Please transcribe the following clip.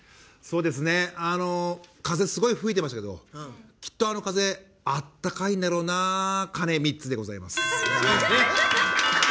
風すごい吹いていましたけどきっと、あの風あったかいんだろうな鐘３つでございます。